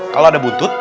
kalau ada buntut